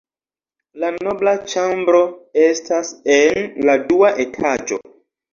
La nobla ĉambro estas en la dua etaĝo.